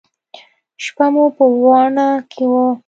شپه مو په واڼه کښې وه.